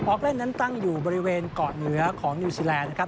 เล่นนั้นตั้งอยู่บริเวณเกาะเหนือของนิวซีแลนด์นะครับ